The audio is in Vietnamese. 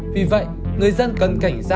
vì vậy người dân cần cảnh giá